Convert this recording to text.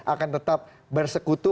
akan tetap bersekutu